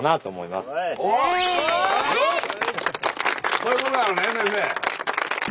そういうことなのね先生。